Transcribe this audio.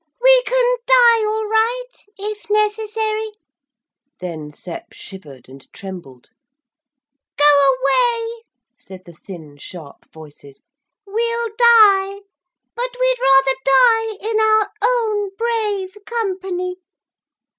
We can die all right if necessary.' Then Sep shivered and trembled. 'Go away,' said the thin sharp voices. 'We'll die but we'd rather die in our own brave company.'